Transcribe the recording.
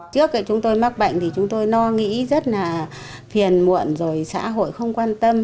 trước chúng tôi mắc bệnh thì chúng tôi no nghĩ rất là phiền muộn rồi xã hội không quan tâm